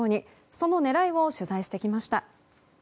その狙いを取材してきました。